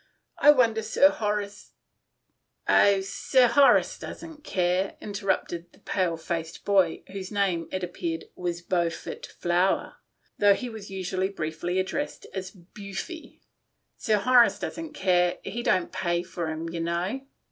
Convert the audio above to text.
I wonder Sir Horace "" Oh, Sir Horace doesn't care," interrupted the pale faced boy, whose name, it transpired, was Beaufort Flower, though everyone seemed to address him as l Beauf y ';" oh, Sir Horace doesn't care, he don't pay for them you know."